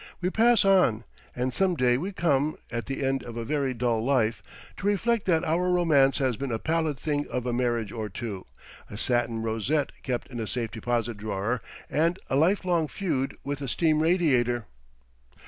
We pass on; and some day we come, at the end of a very dull life, to reflect that our romance has been a pallid thing of a marriage or two, a satin rosette kept in a safe deposit drawer, and a lifelong feud with a steam radiator.